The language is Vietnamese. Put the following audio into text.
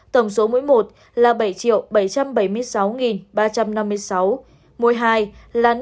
tổng số mũi một là bảy bảy trăm bảy mươi sáu ba trăm năm mươi sáu mũi hai là năm bảy trăm bảy mươi tám tám trăm chín mươi